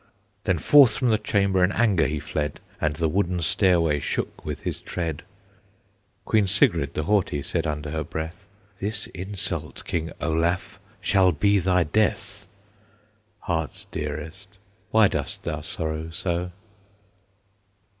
Then forth from the chamber in anger he fled, And the wooden stairway shook with his tread. Queen Sigrid the Haughty said under her breath, "This insult, King Olaf, shall be thy death!" Heart's dearest, Why dost thou sorrow so?